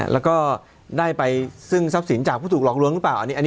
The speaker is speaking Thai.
แล้วก็ได้ไปซึ่งทรัพย์สินจากผู้ถูกหลอกลวงหรือเปล่า